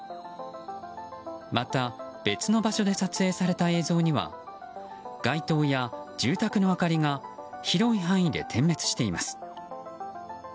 また、別の場所で撮影された映像には街灯や住宅の明かりが広い範囲で点滅しています。